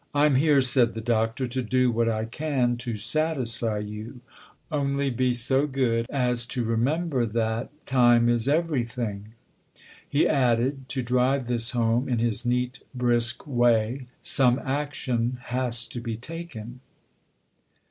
I'm here," said the Doctor, " to do what I can to satisfy you. Only be go good as to remember that 286 THE OTHER HOUSE time is everything." He added, to drive this home, in his neat, brisk way :" Some action has to be taken."